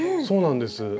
そうなんです。